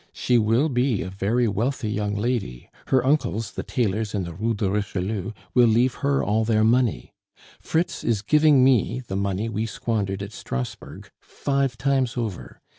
She will be a very wealthy young lady; her uncles, the tailors in the Rue de Richelieu, will leave her all their money. Fritz is giving me the money we squandered at Strasbourg five times over!